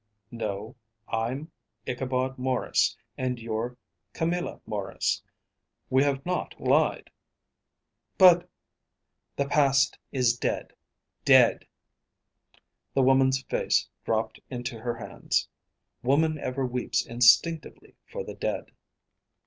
"No. I'm Ichabod Maurice and you're Camilla Maurice. We have not lied." "But " "The past is dead, dead!" The woman's face dropped into her hands. Woman ever weeps instinctively for the dead.